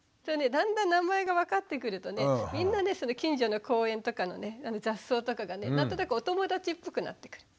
だんだん名前が分かってくるとみんなねその近所の公園とかのね雑草とかがね何となくお友達っぽくなってくる。